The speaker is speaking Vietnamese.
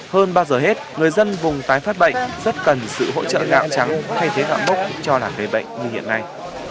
hơn bao giờ hết người dân vùng tái phát bệnh rất cần sự hỗ trợ gạo trắng thay thế gạo mốc cho là người bệnh như hiện nay